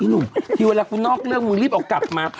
หนุ่มทีเวลากูนอกเรื่องมึงรีบเอากลับมา